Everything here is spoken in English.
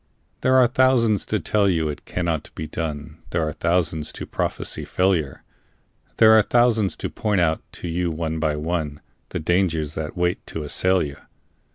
There are thousands to tell you it cannot be done, There are thousands to prophesy failure; There are thousands to point out to you one by one, The dangers that wait to assail you.